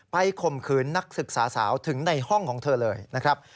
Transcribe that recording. ข่มขืนนักศึกษาสาวถึงในห้องของเธอเลยนะครับ